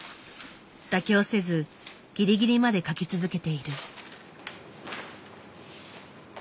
妥協せずギリギリまで描き続けている。